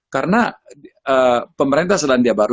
karena pemerintah selandia baru